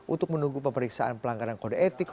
untuk menunggu pemeriksaan pelanggaran kode etik